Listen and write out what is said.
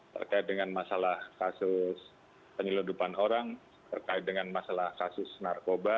terkait dengan masalah kasus penyeludupan orang terkait dengan masalah kasus narkoba